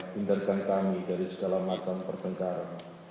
pindahkan kami dari segala macam perbentaran